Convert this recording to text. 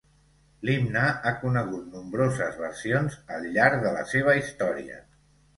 L'himne ha conegut nombroses versions al llarg de la seva història.